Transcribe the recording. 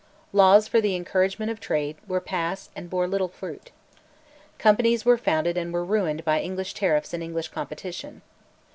Laws for the encouragement of trades were passed and bore little fruit. Companies were founded and were ruined by English tariffs and English competition.